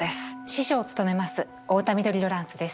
司書を務めます太田緑ロランスです。